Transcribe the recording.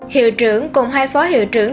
hiệu trưởng cùng hai phó hiệu trưởng